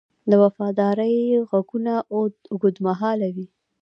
د وفادارۍ ږغونه اوږدمهاله وي.